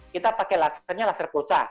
kita pakai lasernya laser pulsa